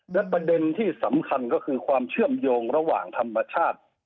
และประเด็นที่สำคัญก็คือความเชื่อมโยงระหว่างธรรมชาติ